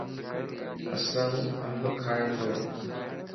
اسلم انب کائي تو.